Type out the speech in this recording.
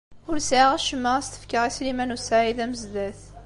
Ur sɛiɣ acemma ad as-t-fkeɣ i Sliman u Saɛid Amezdat.